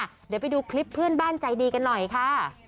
เดี๋ยวไปดูคลิปเพื่อนบ้านใจดีกันหน่อยค่ะ